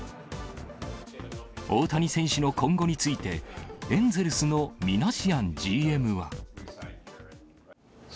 大谷選手の今後について、エンゼルスのミナシアンＧＭは。